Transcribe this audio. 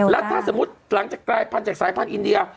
แล้วถ้าสมมุติหลังจากกลายพันธุ์จากสายพันธุอินเดีย